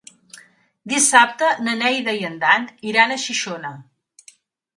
Dissabte na Neida i en Dan iran a Xixona.